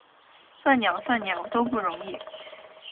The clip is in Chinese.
算鸟，算鸟，都不容易！